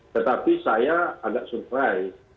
tetapi saya agak surprise